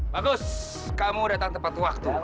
bagus kamu datang tepat waktu